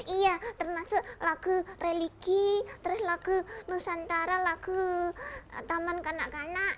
iya termasuk lagu religi terus lagu nusantara lagu taman kanak kanak